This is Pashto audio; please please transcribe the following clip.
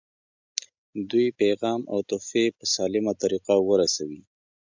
دوی پیغام او تحفې په سالمه طریقه ورسوي.